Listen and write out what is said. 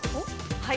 はい。